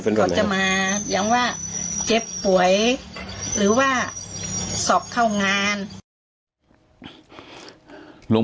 โปรดติดตามต่อไป